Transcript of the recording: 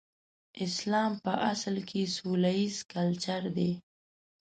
اسلام په اصل کې سوله ييز کلچر دی.